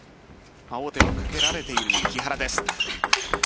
王手をかけられている木原です。